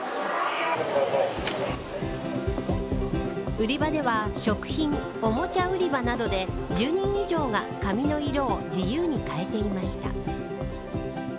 売り場では食品、おもちゃ売り場などで１０人以上が、髪の色を自由に変えていました。